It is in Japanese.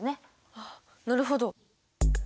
あっなるほど。